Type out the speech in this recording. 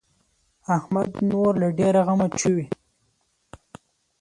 احمد نور له ډېره غمه چويي.